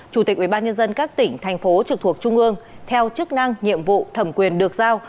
chủ tịch ubnd các tỉnh thành phố trực thuộc trung ương theo chức năng nhiệm vụ thẩm quyền được giao